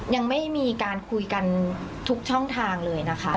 ยังไม่มีการคุยกันทุกช่องทางเลยนะคะ